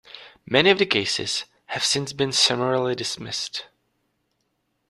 Many of the cases have since been summarily dismissed.